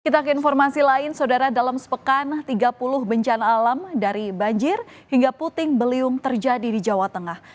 kita ke informasi lain saudara dalam sepekan tiga puluh bencana alam dari banjir hingga puting beliung terjadi di jawa tengah